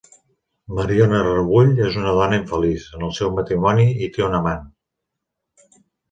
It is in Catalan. Mariona Rebull és una dona infeliç en el seu matrimoni i té un amant.